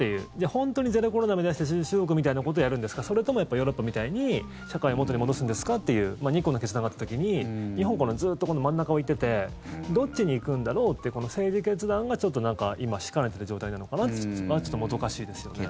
本当にゼロコロナを目指して中国みたいなことをやるんですかそれともヨーロッパみたいに社会を元に戻すんですかという２個の決断があった時に日本はずっと真ん中を行っててどっちに行くんだろうという政治決断がちょっと今しかねている状態なのかなというちょっともどかしいですよね。